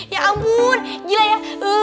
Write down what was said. ya ampun gila ya